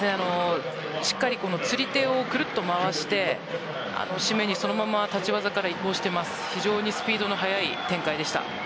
しっかり釣り手をぐるっと回して締めにそのまま立ち技から移行していて非常にスピードの速い展開でした。